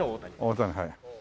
大谷はい。